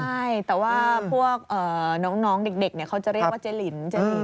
ใช่แต่ว่าพวกน้องเด็กเขาจะเรียกว่าเจ๊ลินเจลิน